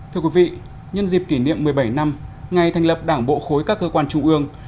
thưa quý vị nhân dịp kỷ niệm một mươi bảy năm ngày thành lập đảng bộ khối các cơ quan trung ương